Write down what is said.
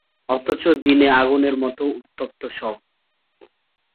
অথচ দিনে আগুনের মত উত্তপ্ত সব।